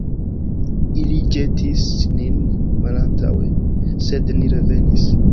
Ili ĵetis nin malantaŭe, sed ni revenis.